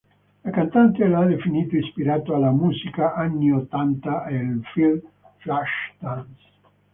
La cantante l'ha definito ispirato alla musica anni ottanta e al film "Flashdance".